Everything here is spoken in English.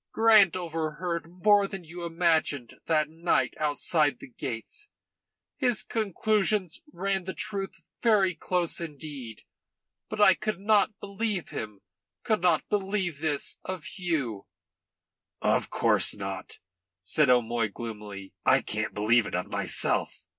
"Grant overheard more than you imagined that night outside the gates. His conclusions ran the truth very close indeed. But I could not believe him, could not believe this of you."' "Of course not," said O'Moy gloomily. "I can't believe it of myself."